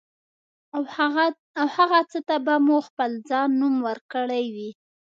او هغه څه ته به مو خپل ځان نوم ورکړی وي.